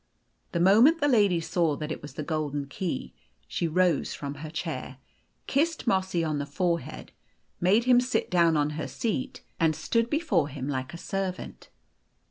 The moment the lady saw that it was the golden key, she rose from her 190 The Golden Key chair, kissed Mossy on the forehead, made him sit down on her seat, and stood before him like a servant.